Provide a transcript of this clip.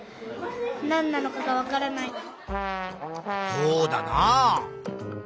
そうだなあ。